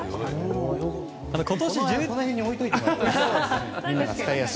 この辺に置いておいてもらって。